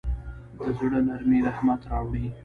د زړه نرمي رحمت راوړي.